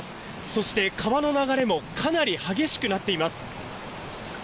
そして川の流れもかなり激しくなっています。